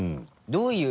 どういう？